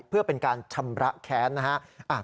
เพื่อเป็นการชำระแค้นนะฮะ